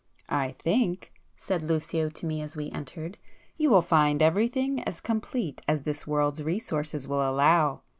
"I think," said Lucio to me as we entered—"You will [p 255] find everything as complete as this world's resources will allow.